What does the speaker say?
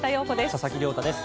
佐々木亮太です。